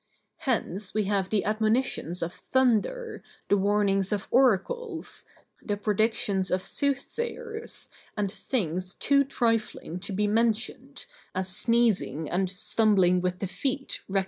Hence we have the admonitions of thunder, the warnings of oracles, the predictions of sooth sayers, and things too trifling to be mentioned, as sneezing and stumbling with the feet reckoned among omens.